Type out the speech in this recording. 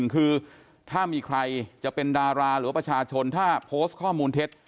คือถ้ามีใครจะเป็นดาราหรือว่าประชาชนถ้าโพสต์ข้อมูลเท็จ